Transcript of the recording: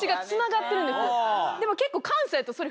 でも結構。